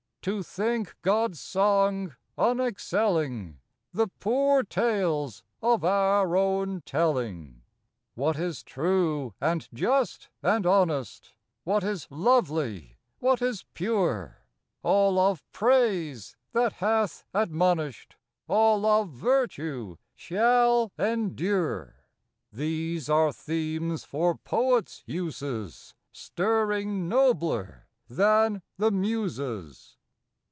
To think God's song unexcelling The poor tales of our own telling. What is true and just and honest, What is lovely, what is pure, — All of praise that hath admonish'd, All of virtue, shall endure, — These are themes for poets' uses, Stirring nobler than the Muses.